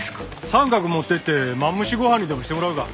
サンカク持ってってマムシご飯にでもしてもらうか。